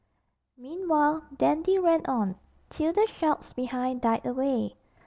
Meanwhile Dandy ran on, till the shouts behind died away.